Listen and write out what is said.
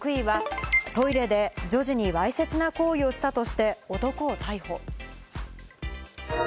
そして６位はトイレで女児にわいせつな行為をしたとして男を逮捕。